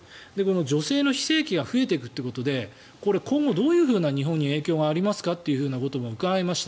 女性の非正規が増えていくということで今後、日本にどういう影響がありますかということも伺いました。